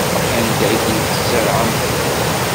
Anda ay ten-tzerɛemt?